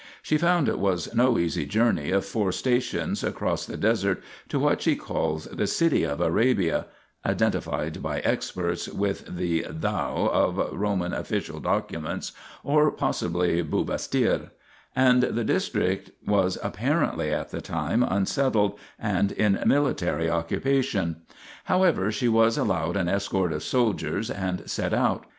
She found it was no easy journey of four stations across the desert to what she calls " the city of Arabia " (identified by experts with the Thou of Roman official documents, or possibly Bubastir), and the district was apparently at the time unsettled and in military occupation. However, she was allowed an escort of soldiers, and set out.